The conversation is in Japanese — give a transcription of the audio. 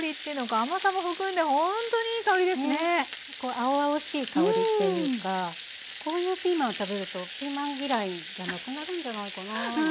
青々しい香りっていうかこういうピーマンを食べるとピーマン嫌いがなくなるんじゃないかななんて思ったりして。